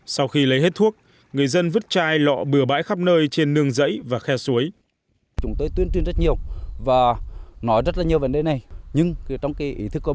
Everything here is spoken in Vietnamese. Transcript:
sau khi lấy hết thuốc người dân vứt chai lọ bừa bãi khắp nơi trên nương rẫy và khe suối